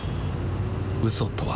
嘘とは